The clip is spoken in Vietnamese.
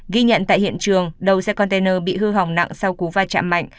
ghi nhận tại hiện trường đầu xe container bị hư hỏng nặng sau cú va chạm mạnh